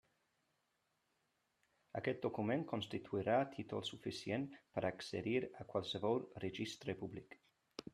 Aquest document constituirà títol suficient per accedir a qualsevol registre públic.